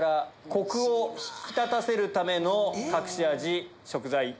コクを引き立たせるための隠し味食材